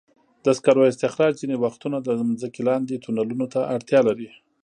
د سکرو استخراج ځینې وختونه د ځمکې لاندې تونلونو ته اړتیا لري.